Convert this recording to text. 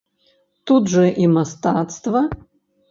Тут жа і мастацтва.